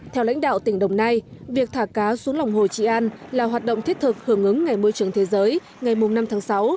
theo lãnh đạo tỉnh đồng nai việc thả cá xuống lòng hồ trị an là hoạt động thiết thực hưởng ứng ngày môi trường thế giới ngày năm tháng sáu